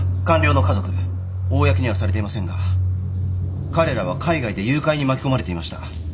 公にはされていませんが彼らは海外で誘拐に巻き込まれていました。